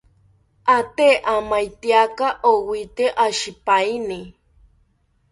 Aate amaetyaka owite oshipaeni